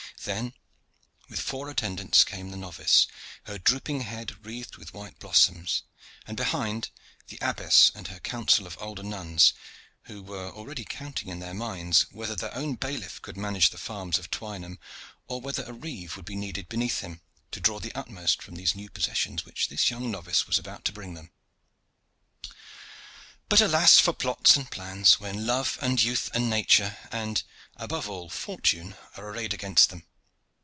Then, with four attendants, came the novice, her drooping head wreathed with white blossoms, and, behind, the abbess and her council of older nuns, who were already counting in their minds whether their own bailiff could manage the farms of Twynham, or whether a reeve would be needed beneath him, to draw the utmost from these new possessions which this young novice was about to bring them. But alas! for plots and plans when love and youth and nature, and above all, fortune are arrayed against them.